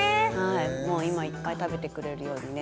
もう今いっぱい食べてくれるようにね